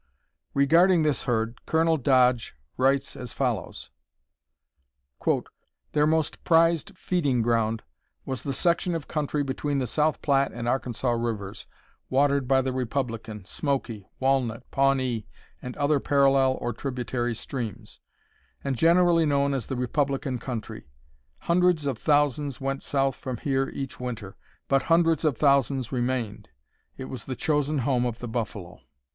Regarding this herd, Colonel Dodge writes as follows: "Their most prized feeding ground was the section of country between the South Platte and Arkansas rivers, watered by the Republican, Smoky, Walnut, Pawnee, and other parallel or tributary streams, and generally known as the Republican country. Hundreds of thousands went south from here each winter, but hundreds of thousands remained. It was the chosen home of the buffalo."